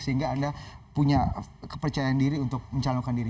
sehingga anda punya kepercayaan diri untuk mencalonkan diri